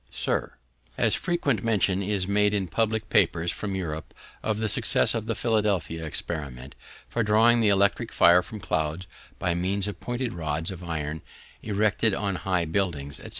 Sir, As frequent mention is made in public papers from Europe of the success of the Philadelphia experiment for drawing the electric fire from clouds by means of pointed rods of iron erected on high buildings, &c.